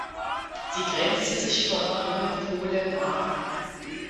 Sie grenzte sich vom Jungen Polen ab.